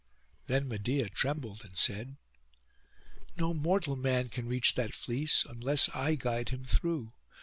Then Medeia trembled, and said, 'No mortal man can reach that fleece unless I guide him through.